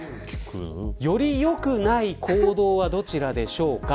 より良くない行動はどちらでしょうか。